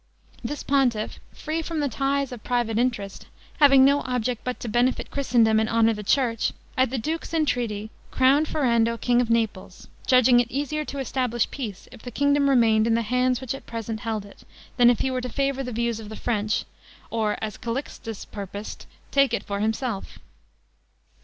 This pontiff, free from the ties of private interest, having no object but to benefit Christendom and honor the church, at the duke's entreaty crowned Ferrando king of Naples; judging it easier to establish peace if the kingdom remained in the hands which at present held it, than if he were to favor the views of the French, or, as Calixtus purposed, take it for himself.